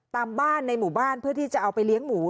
ตามบ้านในหมู่บ้านเพื่อที่จะเอาไปเลี้ยงหมู